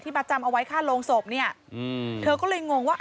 มาจำเอาไว้ค่าโรงศพเนี่ยอืมเธอก็เลยงงว่า